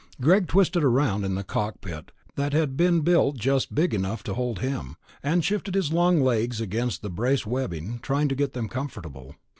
Greg twisted around in the cockpit that had been built just big enough to hold him, and shifted his long legs against the brace webbing, trying to get them comfortable.